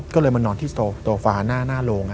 ก็เลยมานอนที่โตฟาหน้าโรง